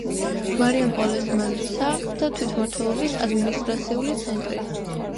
მარიამპოლეს მაზრისა და თვითმმართველობის ადმინისტრაციული ცენტრი.